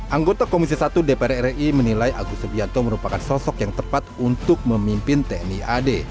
anggota komisi satu dpr ri menilai agus subianto merupakan sosok yang tepat untuk memimpin tni ad